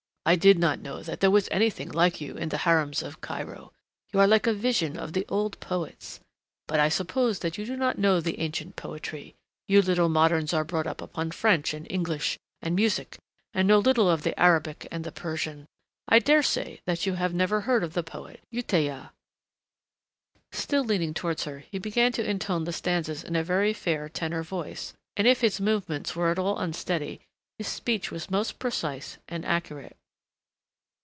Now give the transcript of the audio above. "I did not know that there was anything like you in the harems of Cairo. You are like a vision of the old poets but I suppose that you do not know the ancient poetry. You little moderns are brought up upon French and English and music and know little of the Arabic and the Persian.... I daresay that you have never heard of the poet Utayyah." Still leaning towards her he began to intone the stanzas in a very fair tenor voice, and if his movements were at all unsteady, his speech was most precise and accurate.